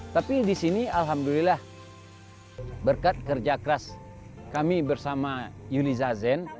tapi di sini alhamdulillah berkat kerja keras kami bersama yuniza zen